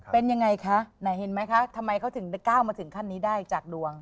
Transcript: เป็นยังไงคะไหนเห็นไหมคะทำไมเขาถึงได้ก้าวมาถึงขั้นนี้ได้จากดวง